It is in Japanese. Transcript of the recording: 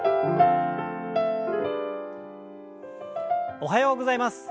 おはようございます。